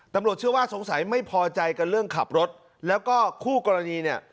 ตำรวจเชื่อว่าสงสัยไม่พอใจกันเรื่องขับรถแล้วก็คู่กรณีเนี่ย